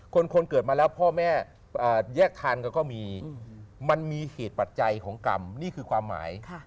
คนเกิดมาแล้วพ่อแม่แยกทานกันก็มีมันมีเหตุปัจจัยของกรรมนี่คือความหมาย